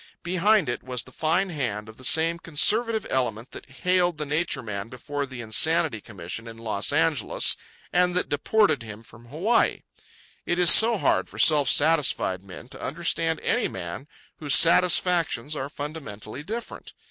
Behind it was the fine hand of the same conservative element that haled the Nature Man before the Insanity Commission in Los Angeles and that deported him from Hawaii. It is so hard for self satisfied men to understand any man whose satisfactions are fundamentally different.